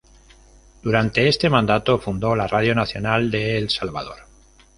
Durante este mandato fundó la Radio Nacional de El Salvador.